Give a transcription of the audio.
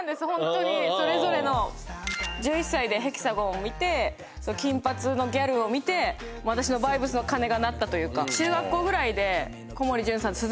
本当にそれぞれの１１歳で「ヘキサゴン」を見て金髪のギャルを見て私のバイブスの鐘が鳴ったというか中学校ぐらいで小森純さん